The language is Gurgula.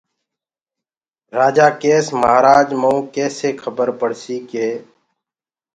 رآجآ ڪيس مهآرآج مئونٚ ڪيسي کبر پڙسيٚ ڪي